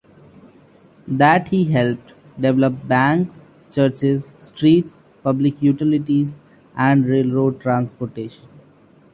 That he helped develop banks, churches, streets, public utilities and railroad transportation.